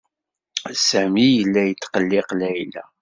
Sami yella yettqelliq Layla.